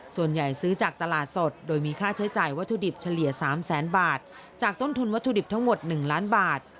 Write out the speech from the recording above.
ซื้อจากตลาดสดโดยมีค่าใช้จ่ายวัตถุดิบเฉลี่ย๓แสนบาทจากต้นทุนวัตถุดิบทั้งหมด๑ล้านบาท